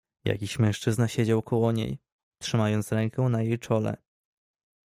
"Jakiś mężczyzna siedział koło niej, trzymając rękę na jej czole“."